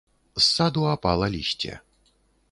З саду апала лісце.